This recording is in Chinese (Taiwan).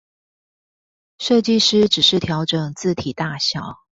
設計師只是調整字體大小